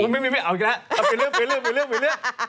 เอาอีกแล้วเปลี่ยนเรื่องเปลี่ยนเรื่อง